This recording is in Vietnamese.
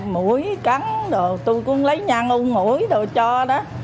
mũi cắn đồ tôi cũng lấy nhăn u mũi đồ cho đó